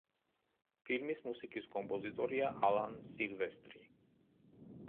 ფილმის მუსიკის კომპოზიტორია ალან სილვესტრი.